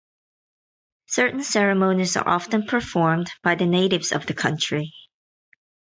Certain ceremonies are often performed by the natives of the country.